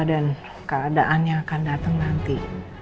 dan keadaannya akan dateng nanti